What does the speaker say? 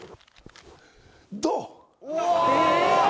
どう？